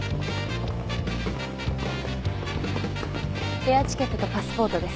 エアチケットとパスポートです。